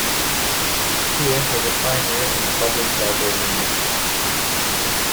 Poole was a pioneer in the public library movement.